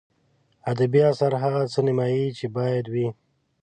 ادبي اثر هغه څه نمایي چې باید وي.